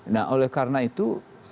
nah oleh karena itu